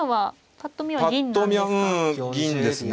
ぱっと見はうん銀ですね。